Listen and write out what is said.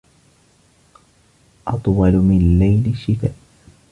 أطول من ليل الشتاء